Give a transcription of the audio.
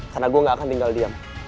karena gue gak akan tinggal diam